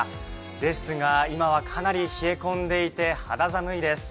ですが、今はかなり冷え込んでいて、肌寒いです。